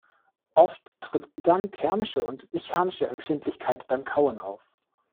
Oft tritt dann thermische und mechanische Empfindlichkeit beim Kauen auf.